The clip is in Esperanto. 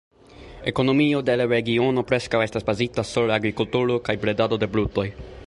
Ekonomio de la regiono preskaŭ estas bazita sur agrikulturo kaj bredado de brutoj.